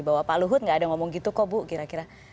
bahwa pak luhut nggak ada ngomong gitu kok bu kira kira